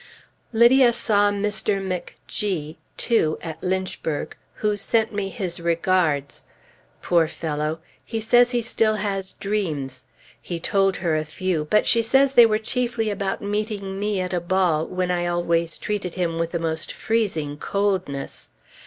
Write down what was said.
Lydia saw Mr. McG , too, at Lynchburg, who sent me his "regards." Poor fellow! He says he still has "dreams"! He told her a few, but she says they were chiefly about meeting me at a ball, when I always treated him with the most freezing coldness.